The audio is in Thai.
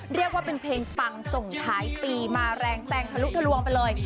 เรียกว่าเป็นเพลงปังส่งท้ายปีมาแรงแซงทะลุทะลวงไปเลย